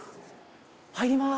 入ります。